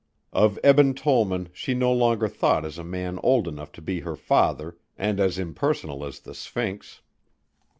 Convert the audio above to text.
Of Eben Tollman she no longer thought as a man old enough to be her father and as impersonal as the Sphinx.